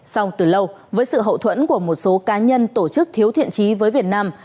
sau từ lâu với sự hậu thuẫn của một số cá nhân tổ chức thiếu thiện trí với việt nam